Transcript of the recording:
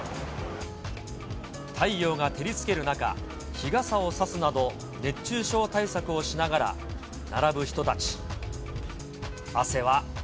太陽が照りつける中、日傘を差すなど、熱中症対策をしながら並ぶ人たち。